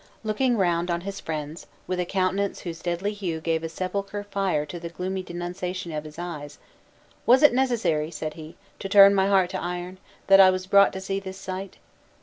Looking round on his friends, with a countenance whose deadly hue gave a sepulchral fire to the gloomy denunciation of his eyes; "Was it necessary," said he, "to turn my heart to iron, that I was brought to see this sight?"